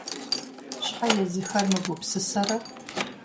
Щхьэ езыхэр мыгупсысэрэ?!